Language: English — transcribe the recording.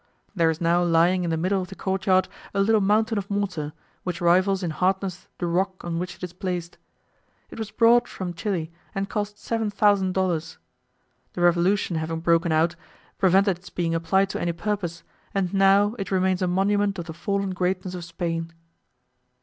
There is now lying in the middle of the courtyard a little mountain of mortar, which rivals in hardness the rock on which it is placed. It was brought from Chile, and cost 7000 dollars. The revolution having broken out, prevented its being applied to any purpose, and now it remains a monument of the fallen greatness of Spain.